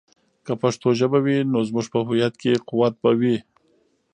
که پښتو ژبه وي، نو زموږ په هویت کې قوت به وي.